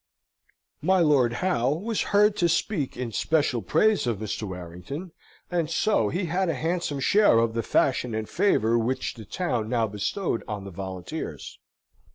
My Lord Howe was heard to speak in special praise of Mr. Warrington, and so he had a handsome share of the fashion and favour which the town now bestowed on the volunteers.